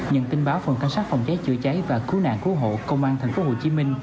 nhân tin báo phòng can sát phòng cháy chữa cháy và cứu nạn cứu hộ công an tp hcm